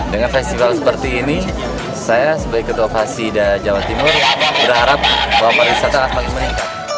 dengan festival seperti ini saya sebagai ketua fasi dan jawa timur berharap bahwa para wisata akan semakin meningkat